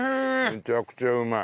めちゃくちゃうまい。